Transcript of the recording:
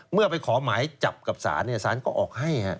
เมื่อไปขอหมายจับกับศาลศาลก็ออกให้